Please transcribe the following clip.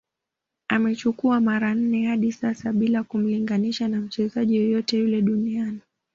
Amechukua mara nne hadi sasa Bila kumlinganisha na mchezaji yoyote yule duniani